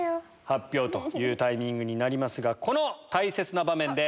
発表というタイミングになりますがこの大切な場面で。